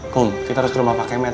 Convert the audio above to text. kum kita harus ke rumah pake med